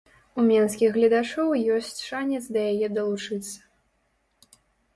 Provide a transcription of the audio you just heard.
У менскіх гледачоў ёсць шанец да яе далучыцца.